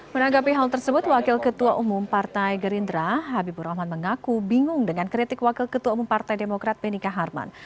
menanggapi hal tersebut wakil ketua umum partai gerindra habibur rahman mengaku bingung dengan kritik wakil ketua umum partai demokrat benika harman